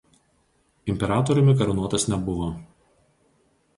Imperatoriumi karūnuotas nebuvo.